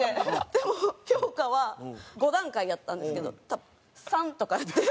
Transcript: でも評価は５段階やったんですけど多分３とかやって。